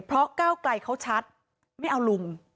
เพราะก้าวไกลเขาชัดไม่เอาลุง